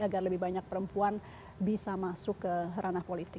agar lebih banyak perempuan bisa masuk ke ranah politik